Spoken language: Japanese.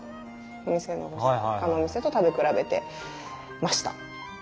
他のお店と食べ比べてました。